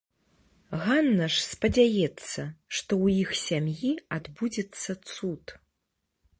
Ганна ж спадзяецца, што ў іх сям'і адбудзецца цуд.